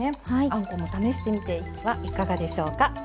あんとも試してみてはいかがでしょうか。